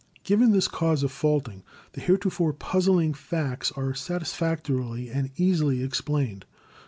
Given this cause of faulting, the heretofore puzzling facts are satisfactorily and easily explained.